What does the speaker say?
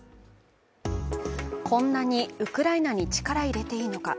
こんなにウクライナに力入れていいのか。